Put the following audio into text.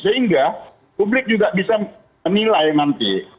sehingga publik juga bisa menilai nanti